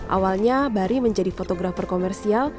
awalnya bari menjadi fotografer komersial